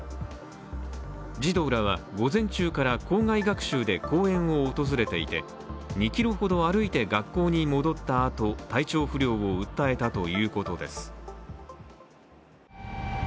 児童らは午前中から校外学習で公園を訪れていて２ｋｍほど歩いて学校に戻ったあと体調不良を訴えたということです。